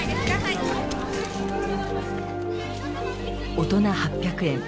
大人８００円